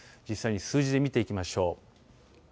実際に数字で見ていきましょう。